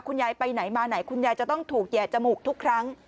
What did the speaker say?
ไปไหนมาไหนคุณยายจะต้องถูกแย่จมูกทุกครั้ง